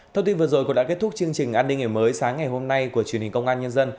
thông tin vừa rồi cũng đã kết thúc chương trình an ninh ngày mới sáng ngày hôm nay của truyền hình công an nhân dân